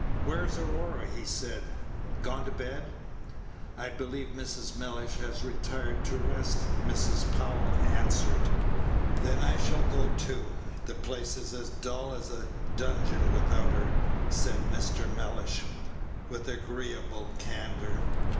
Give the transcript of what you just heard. "Where's Aurora?" he said; "gone to bed?" "I believe Mrs. Mellish has retired to rest," Mrs. Powell answered. "Then I shall go too. The place is as dull as a dungeon without her," said Mr. Mellish, with agreeable candor.